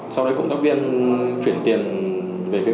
sau đấy cộng tác viên chuyển tiền về facebook công ty